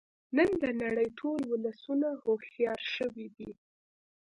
نن د نړۍ ټول ولسونه هوښیار شوی دی